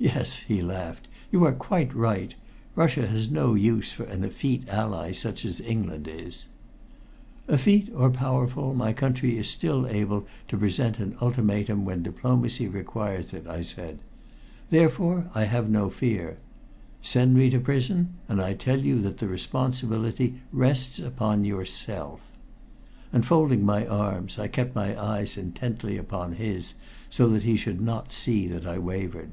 "Yes," he laughed, "you are quite right. Russia has no use for an effete ally such as England is." "Effete or powerful, my country is still able to present an ultimatum when diplomacy requires it," I said. "Therefore I have no fear. Send me to prison, and I tell you that the responsibility rests upon yourself." And folding my arms I kept my eyes intently upon his, so that he should not see that I wavered.